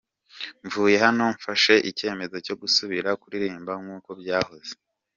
Mvuye hano mfashe icyemezo cyo gusubira kuririmba nkuko byahoze.